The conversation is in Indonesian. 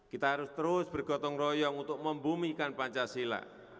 kita harus terus bergotong royong untuk membumikan pancasila